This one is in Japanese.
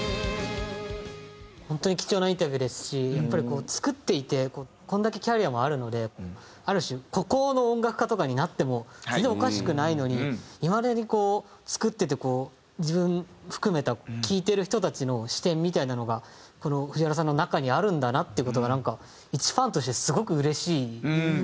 本当に貴重なインタビューですしやっぱりこう作っていてこれだけキャリアもあるのである種孤高の音楽家とかになっても全然おかしくないのにいまだにこう作ってて自分含めた聴いてる人たちの視点みたいなのが藤原さんの中にあるんだなっていう事がなんかいちファンとしてすごくうれしいです本当に。